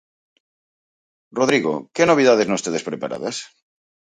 Rodrigo, que novidades nos tedes preparadas?